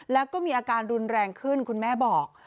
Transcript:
แล้วก็มีอาการรุนแรงขึ้นคุณแม่บอก